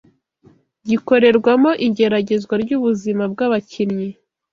gikorerwamo igeragezwa ry’Ubuzima bw’abakinnyi